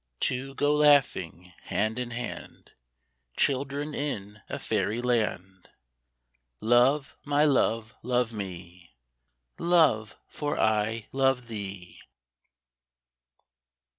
Two go laughing hand in hand, Children in a faery land :" Love, my love, love me, Love, for I love thee